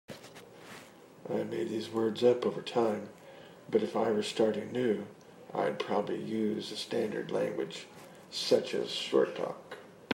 I made these words up over time, but if I were starting new I would probably use a standard language such as Short Talk.